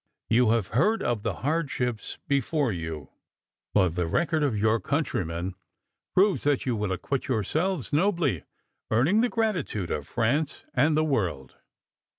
You have heard of the hardships before you, but the record of your countrymen proves that you will acquit yourselves nobly, earning the gratitude of France and the world."